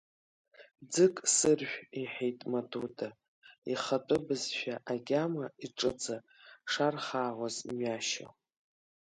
Ӡык сыржә, — иҳәеит Матута, ихатәы бызшәа агьама иҿыҵа шархаауаз мҩашьо.